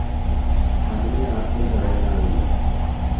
അതിനെയാർക്കും തടയാനാവില്ല